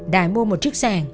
đại mua một chiếc xe